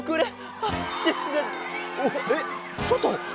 えっちょっと！